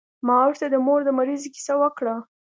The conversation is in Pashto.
ما ورته د مور د مريضۍ کيسه وکړه.